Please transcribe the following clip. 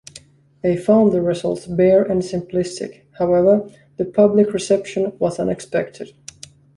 They found the results bare and simplistic; however, the public reception was unexpected.